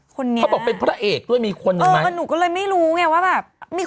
คนเดน่าเป็นเผลอเอกด้วยมีคนนึงไหม